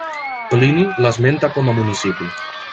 Plini l'esmenta com a municipi.